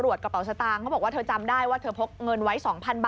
คนขับแท็กซี่เนี่ยก็หยิบเงิน